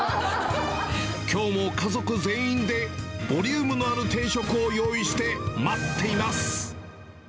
きょうも家族全員で、ボリュームのある定食を用意して待っています。